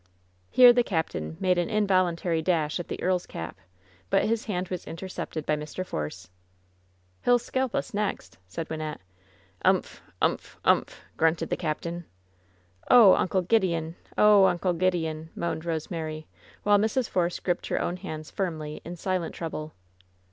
Here the captain made an involuntary dash at the earl's cap, but his hand was intercepted by Mr. Force. "He'll scalp us next," said Wynnette. "Umph! Umph! TJmph!" grunted the captain. "Oh, Uncle Gideon! Oh, Uncle Gideon!" moaned Rosemary, while Mrs. Force gripped" her own hands firmly in silent trouble.